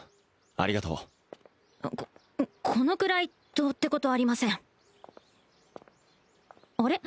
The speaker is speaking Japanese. ありがとうここのくらいどうってことありませんあれ？